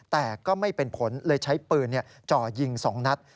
แต่ก็ไม่เป็นผลเลยใช้ปืนจ่อยิง๒นัด